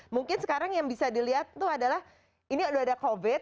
mungkin sekarang yang bisa dilihat tuh adalah ini udah ada covid